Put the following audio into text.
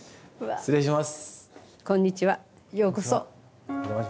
失礼します。